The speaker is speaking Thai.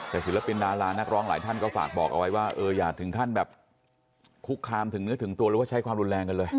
แต่ศิลปินดารานักร้องหลายท่านก็ฝากบอกเอาไว้ว่าเอออย่าถึงขั้นแบบคุกคามถึงเนื้อถึงตัวหรือว่าใช้ความรุนแรงกันเลย